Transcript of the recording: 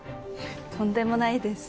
とんでもないです。